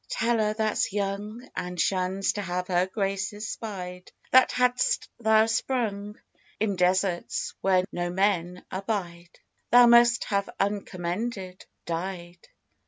Tell her that's young, And shuns to have her graces spied, That had'st thou sprung In deserts where no men abide, Thou must have uncommended died.